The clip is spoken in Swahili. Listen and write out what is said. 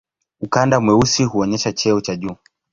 Ukanda mweusi huonyesha cheo cha juu.